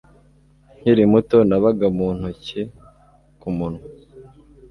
Nkiri muto, nabaga mu ntoki ku munwa